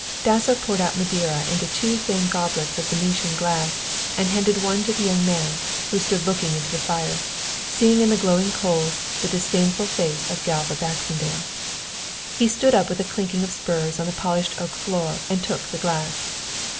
Dasso poured out Madeira into two thin goblets of Venetian glass and handed one to the young man, who stood looking into the fire, seeing in the glowing coals the disdainful face of Galva Baxendale. He stood up with a clanking of spurs on the polished oak floor and took the glass.